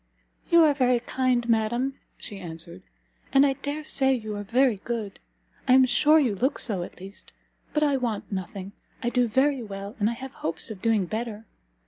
"You are very kind, madam," she answered, "and I dare say you are very good; I am sure you look so, at least. But I want nothing; I do very well, and I have hopes of doing better.